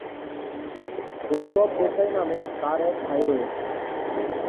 গৌরব দেশাই নামে তার এক ভাই রয়েছে।